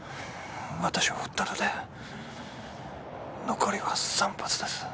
私を撃ったので残りは３発です